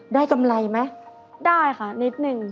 กำไรไหมได้ค่ะนิดนึง